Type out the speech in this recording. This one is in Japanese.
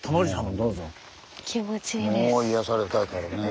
もう癒やされたいからね。